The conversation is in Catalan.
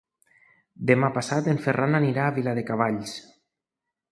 Demà passat en Ferran anirà a Viladecavalls.